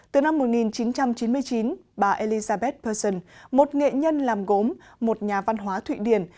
từ năm một nghìn chín trăm chín mươi chín bà elizabeth persson một nghệ nhân làm gốm một nhà văn hóa thụy điển